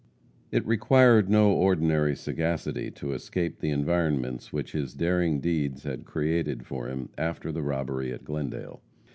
It required no ordinary sagacity to escape the environments which his daring deeds had created for him, after the robbery at Glendale.